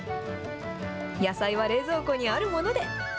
野菜は冷蔵庫にあるもので。